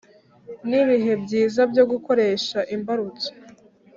ni ibihe byiza byo gukoresha imbarutso